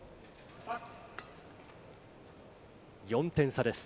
４点差です。